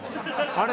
あれ？